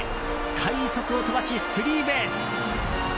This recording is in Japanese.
快足を飛ばし、スリーベース。